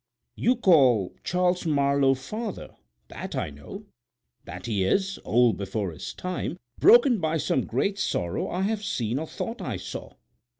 You call Charles Marlowe father; that I know. That he is old before his time, broken by some great sorrow, I have seen, or thought I saw.